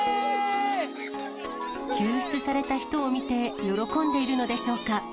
救出された人を見て、喜んでいるのでしょうか。